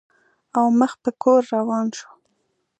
او مخ په کور روان شو.